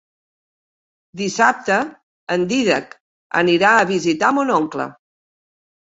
Dissabte en Dídac anirà a visitar mon oncle.